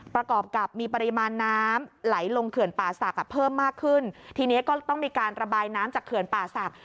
ประกอบกับมีปริมาณน้ำไหลลงเขื่อนป่าศักดิ์เพิ่มมากขึ้นทีนี้ก็ต้องมีการระบายน้ำจากเขื่อนป่าศักดิ